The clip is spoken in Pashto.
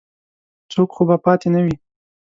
څوک خو به پاتې نه وي.